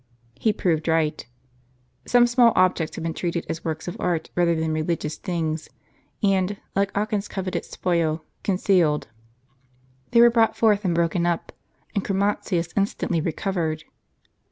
He proved right. Some If small objects had been treated as works of art rather than religious things, and, like Achan's coveted spoil,* concealed. They were brought forth and broken up; and Chromatins instantly recovered.